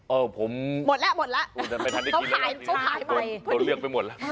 เออผมต้องหายไปเพราะเลือกไปหมดละ